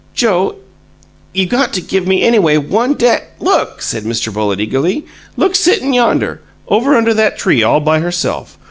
"Joe, you got to give me anyway ONE da " "Look!" said Mr. Bullitt, eagerly. "Look sittin' yonder, over under that tree all by herself!